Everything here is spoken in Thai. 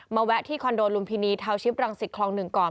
มาแวะที่คอนโดลุมพินีทาวน์ชิปรังสิทธิ์คลองหนึ่งก่อน